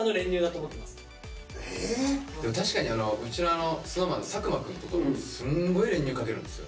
確かにうちのＳｎｏｗＭａｎの佐久間くんとかもすごい練乳かけるんですよ。